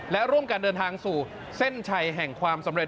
และร่วมกันเดินทางสู่เส้นชัยแห่งความสำเร็จ